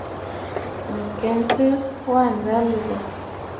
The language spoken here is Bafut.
Nɨ̀ kɛntə, wâ ǹda lɨgə.